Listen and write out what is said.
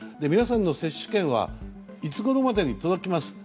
皆さんの接種券はいつごろまでに届きます。